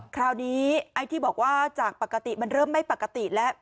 คราวนี้ไอ้ที่บอกว่าจากปกติมันเริ่มไม่ปกติแล้ว